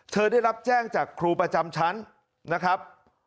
ได้รับแจ้งจากครูประจำชั้นนะครับ